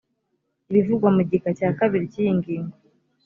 ibivugwa mu gika cya kabiri cy iyi ngingo